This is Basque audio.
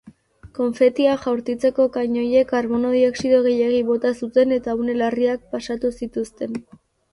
Konfetia jaurtitzeko kanoiek karbono dioxido gehiegi bota zuten eta une larriak pasatu zituzten.